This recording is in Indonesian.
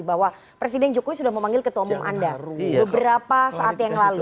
bahwa presiden jokowi sudah memanggil ketua umum anda beberapa saat yang lalu